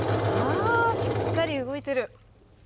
あしっかり動いてる。